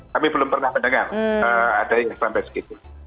kami belum pernah mendengar ada yang sampai segitu